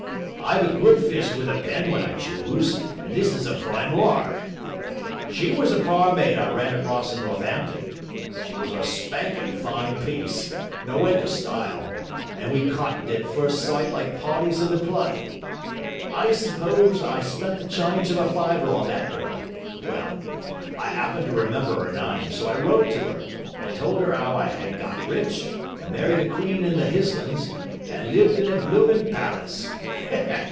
'I've a good fist with a pen when I choose, and this is a prime lark. She was a barmaid I ran across in Northampton; she was a spanking fine piece, no end of style; and we cottoned at first sight like parties in the play. I suppose I spent the chynge of a fiver on that girl. Well, I 'appened to remember her nyme, so I wrote to her, and told her 'ow I had got rich, and married a queen in the Hislands, and lived in a blooming palace.